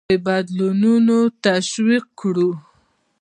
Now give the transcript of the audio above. د بدلونونه تشویق کړو.